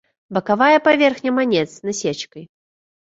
Бакавая паверхня манет з насечкай.